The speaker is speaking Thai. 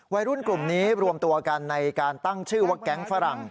วัยรุ่นกลุ่มนี้รวมตัวกันในการตั้งชื่อว่าแก๊งฝรั่ง